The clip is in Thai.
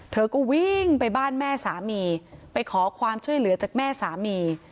เธอก็วิ่งไปบ้านแม่สามีไปขอความช่วยเหลือจากแม่สามี